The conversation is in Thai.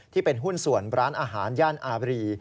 ที่เป็นหุ้นส่วนร้านอาหารย่านอาบรี